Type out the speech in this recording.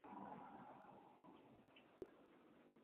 Tras la batalla, hubo paz durante cuarenta años.